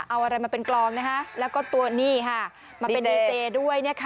เอาอะไรมาเป็นกรองแล้วก็ตัวนี่มาเป็นดีเจด้วย